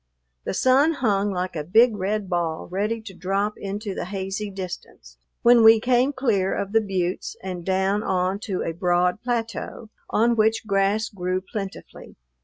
The sun hung like a big red ball ready to drop into the hazy distance when we came clear of the buttes and down on to a broad plateau, on which grass grew plentifully.